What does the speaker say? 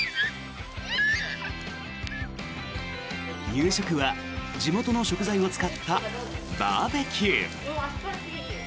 夕食は地元の食材を使ったバーベキュー。